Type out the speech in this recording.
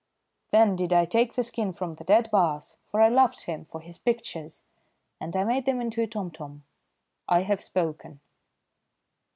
Then did I take the skin from the dead baas, for I loved him for his pictures, and I made them into a tomtom. I have spoken."